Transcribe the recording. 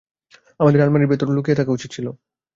আমাদের আলমারির ভেতর লুকিয়ে থাকা উচিৎ ছিলো।